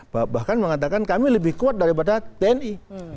bahkan mengatakan kami lebih kuat daripada tni